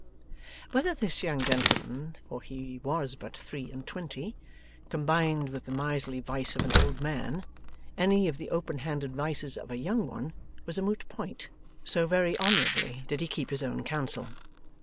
Whether this young gentleman (for he was but three and twenty) combined with the miserly vice of an old man, any of the open handed vices of a young one, was a moot point; so very honourably did he keep his own counsel.